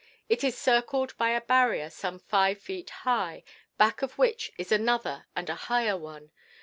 It is circled by a barrier some five feet high, back of which is another and a higher one.